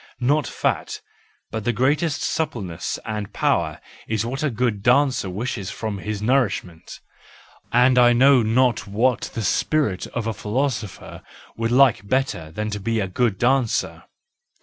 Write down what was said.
Not fat, but the greatest suppleness and power is what a good dancer wishes from his nourishment,—and I know not what the spirit of a philosopher would like better than to be a good dancer.